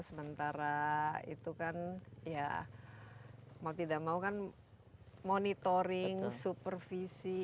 sementara itu kan ya mau tidak mau kan monitoring supervisi